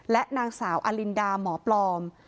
และนางสาวอลินดาหมอปลอม